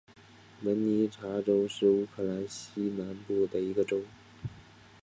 文尼察州是乌克兰西南部的一个州。